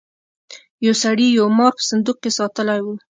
یو سړي یو مار په صندوق کې ساتلی و.